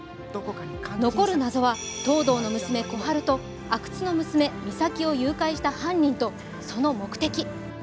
残る謎は、東堂の娘、心春と阿久津の娘・実咲を誘拐した犯人とその目的。